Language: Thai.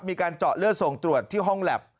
มีการเจาะเลือดส่งตรวจที่ห้องแล็บ